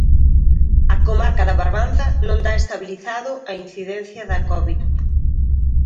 A comarca da Barbanza non dá estabilizado a incidencia da covid.